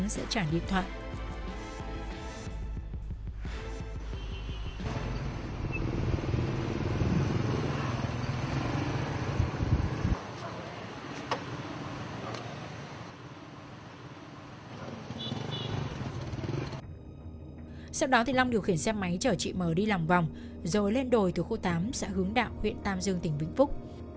sau đó thì long điều khiển xe máy chở chị m đi lòng vòng rồi lên đồi từ khu tám sẽ hướng đạo huyện tam dương tỉnh bệnh phúc